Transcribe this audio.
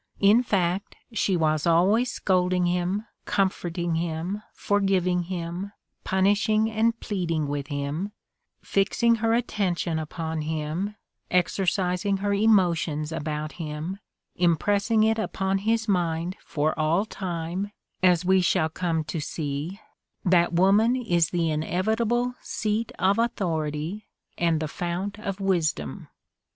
In fact, she was always scolding him, comforting him, forgiving him, punishing and pleading with him, fixing her attention upon him, exercising her emotions about him, impressing it upon his mind for all time, as we shall come to see. The Candidate for Life 33 that woman is the inevitable seat of authority and the fount of wisdom.